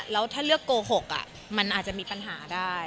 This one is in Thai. แล้วถ้าเลือกโกหกมันอาจจะมีปัญหาได้